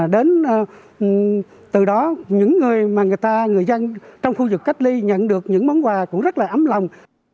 đến từ đó những người mà người dân trong khu vực cách ly nhận được những món quà cũng rất là ấm lòng